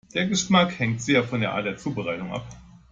Der Geschmack hängt sehr von der Art der Zubereitung ab.